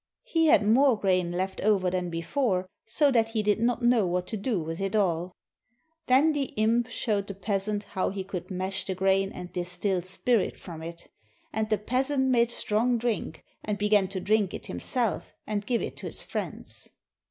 He had more grain left over than before, so that he did not know what to do with it all. Then the imp showed the peasant how he could mash THE IMP AND THE CRUST the grain and distil spirit from it; and the peasant made strong drink, and began to drink it himself and give it to his friends.